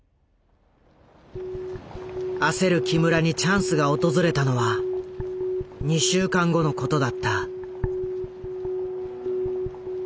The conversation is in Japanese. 焦る木村にチャンスが訪れたのは２週間後のことだった。